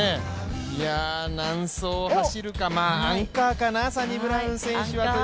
何走を走るか、アンカーかなサニブラウン選手は。